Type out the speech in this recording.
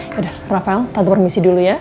yaudah rafael tante permisi dulu ya